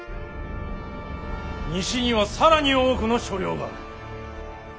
西には更に多くの所領がある。